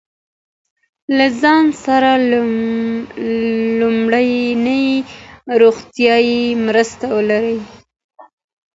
له ځان سره لومړنۍ روغتیایی مرستې ولرئ.